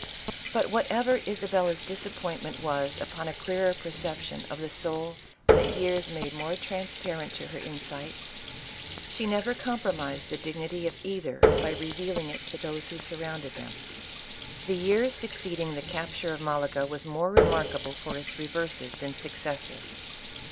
But whatever Isabella's disappointment was upon a clearer perception of the soul that years made more transparent to her insight, she never com promised the dignity of either by revealing it to those who surrounded them. The year succeeding the capture of Malaga, was more remarkable for its reverses than successes.